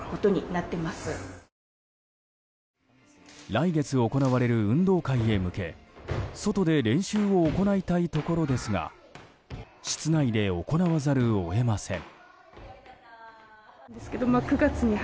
来月行われる運動会へ向け外で練習を行いたいところですが室内で行わざるを得ません。